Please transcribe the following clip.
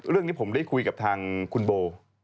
เรื่องนี้ผมได้คุยกับทางคุณโบ